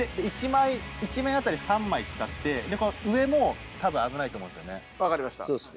１枚一面あたり３枚使って上もたぶん危ないと思うんですよね。